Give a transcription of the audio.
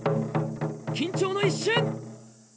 緊張の一瞬！